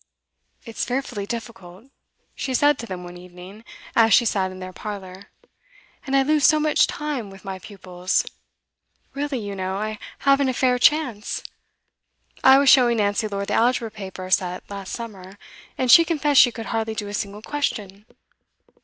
'It's fearfully difficult,' she said to them one evening, as she sat in their parlour. 'And I lose so much time with my pupils. Really, you know, I haven't a fair chance. I was showing Nancy Lord the Algebra paper set last summer, and she confessed she could hardly do a single question.